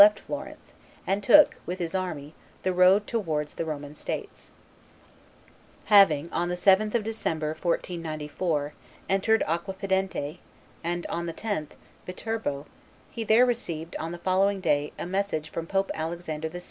left Florence, and took, with his army, the road towards the Roman States. Having on the 7th of December, 1494, entered Acquapendente, and, on the 10th, Viterbo, he there received, on the following day, a message from Pope Alexander VI.